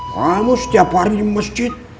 kamu setiap hari di masjid